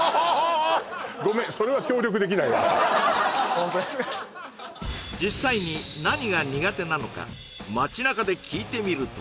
ホントですか実際に何が苦手なのか街なかで聞いてみると